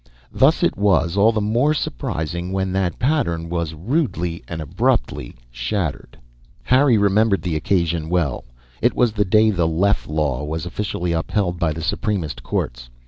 Thus it was all the more surprising when that pattern was rudely and abruptly shattered. Harry remembered the occasion well. It was the day the Leff Law was officially upheld by the Supremist Courts.